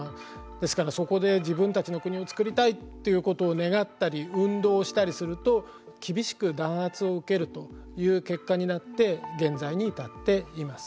ですからそこで自分たちの国を造りたいっていうことを願ったり運動したりすると厳しく弾圧を受けるという結果になって現在に至っています。